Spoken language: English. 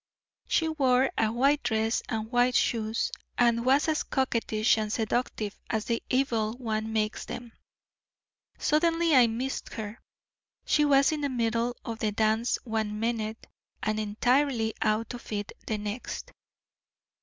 She wore a white dress and white shoes, and was as coquettish and seductive as the evil one makes them. Suddenly I missed her. She was in the middle of the dance one minute and entirely out of it the next.